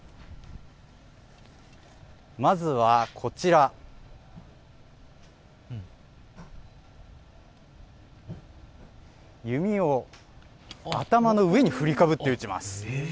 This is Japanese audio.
まずは、弓を頭の上に振りかぶって打ちます。